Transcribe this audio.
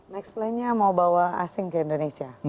next play nya mau bawa asing ke indonesia